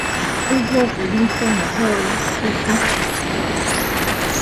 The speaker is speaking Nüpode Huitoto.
ɨfɨgɨ muidomo joide kue cachucha